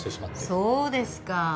そうですか。